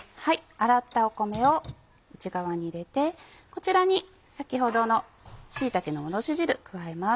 洗った米を内釜に入れてこちらに先ほどの椎茸の戻し汁加えます。